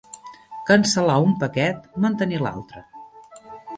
Cancel·lar un paquet, mantenir l'altre.